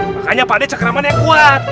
makanya pak deh cakraman yang kuat